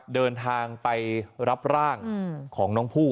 เดินทางไปรับร่างของน้องผู้